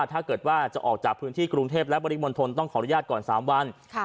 ที่กรุงเทพและบริมณฑลต้องขออนุญาตก่อน๓วัน